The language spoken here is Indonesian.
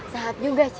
sehat juga c